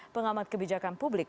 pengamat kebijakan publik